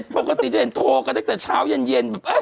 ปกติจะเห็นมันโทรแค่ดักแต่เช้าเย็น